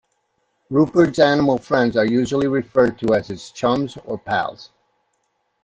Rupert's animal friends are usually referred to as his "chums" or "pals".